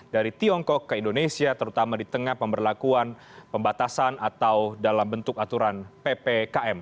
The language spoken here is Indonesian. dari tiongkok ke indonesia terutama di tengah pemberlakuan pembatasan atau dalam bentuk aturan ppkm